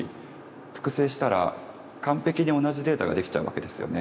複製したら完璧に同じデータができちゃうわけですよね。